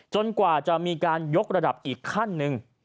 กว่าจะมีการยกระดับอีกขั้นหนึ่ง